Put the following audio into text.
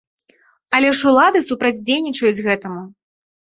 Але ж улады супрацьдзейнічаюць гэтаму.